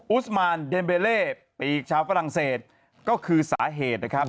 อุสมานเดนเบเล่ปีกชาวฝรั่งเศสก็คือสาเหตุนะครับ